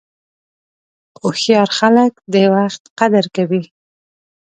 هوښیار خلک د وخت قدر کوي.